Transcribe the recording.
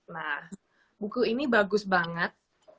nah buku ini bagus banget